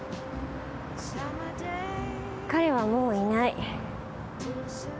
彼はもういない。